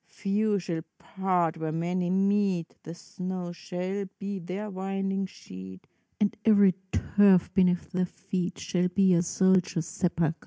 few shall part where many meet! The snow shall be their winding sheet, And every turf beneath their feet Shall be a soldier's sepulcher.